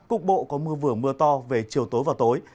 cục bộ có mưa vừa mưa to về chiều tối và tối